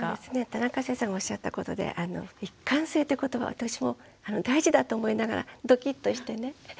田中先生がおっしゃったことで一貫性って言葉は私も大事だと思いながらドキッとしてね。